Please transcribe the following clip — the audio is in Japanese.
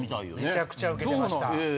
めちゃくちゃウケてました。